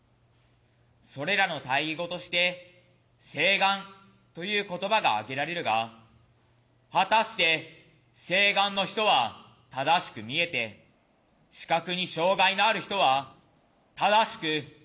それらの対義語として晴眼という言葉が挙げられるが果たして晴眼の人は「正しく」見えて視覚に障害のある人は「正しく」見ることができないのか。